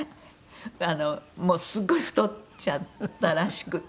あのもうすごい太っちゃったらしくて。